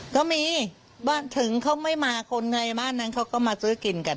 ก็มีบ้านถึงเขาไม่มาคนไงบ้านนั้นเขาก็มาซื้อกินกัน